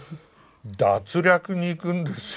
奪略に行くんですよ